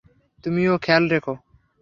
তুমিও খেয়াল রেখো।